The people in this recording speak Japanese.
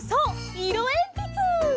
いろえんぴつ！